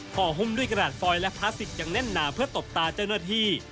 ห่อหุ้มด้วยกระดาษฟอยและพลาสติกอย่างแน่นหนาเพื่อตบตาเจ้าหน้าที่